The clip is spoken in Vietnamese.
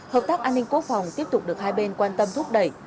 hợp tác an ninh quốc phòng tiếp tục được hai bên quan tâm thúc đẩy